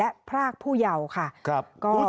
มึงอยากให้ผู้ห่างติดคุกหรอ